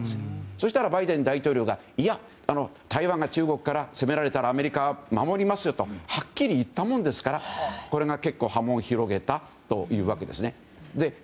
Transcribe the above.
そしたらバイデン大統領がいや、台湾が中国から攻められたらアメリカは守りますよとはっきり言ったものですからこれが結構波紋を広げたというわけですね。